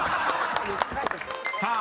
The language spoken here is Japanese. ［さあ